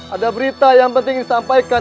ada berita yang penting disampaikan